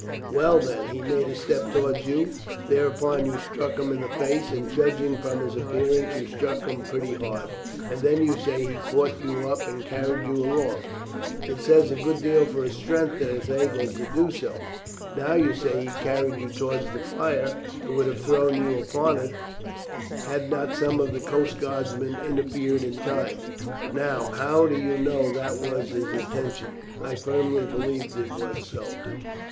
Well, then, he made a step towards you; thereupon you struck him in the face, and judging from his appearance you struck him pretty hard, and then you say he caught you up and carried you along. It says a good deal for his strength that he was able to do so. Now you say he carried you towards the fire, and would have thrown you upon it had not some of the coast guardsmen interfered in time. Now, how do you know that that was his intention?" "I firmly believe that it was so."